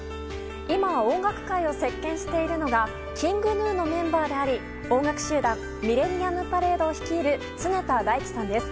今、音楽界を席巻しているのがＫｉｎｇＧｎｕのメンバーであり音楽集団ｍｉｌｌｅｎｎｉｕｍｐａｒａｄｅを率いる常田大希さんです。